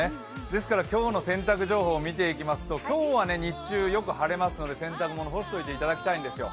ですから今日の洗濯情報を見ていきますと今日は日中よく晴れますので洗濯物干しておいていただきたいんですよ。